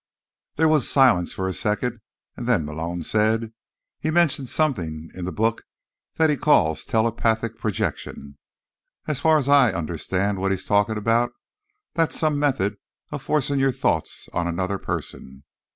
There was silence for a second, and then Malone said, "He mentions something, in the book, that he calls 'telepathic projection.' As far as I understand what he's talking about, that's some method of forcing your thoughts on another person."